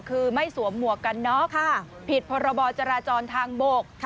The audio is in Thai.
คือไม่สวมหมวกกันเนอะผิดประบอจราจรทางบก